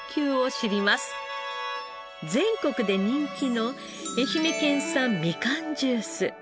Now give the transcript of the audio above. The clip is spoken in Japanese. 全国で人気の愛媛県産みかんジュース。